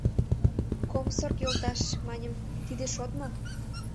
— Комсорг йолташ, — маньым, — тиде шот мо?